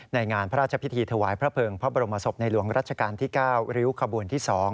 ในงานพระราชพิธีถวายพระเภิงพระบรมศพในหลวงรัชกาลที่๙ริ้วขบวนที่๒